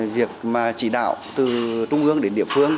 việc chỉ đạo từ trung ương đến địa phương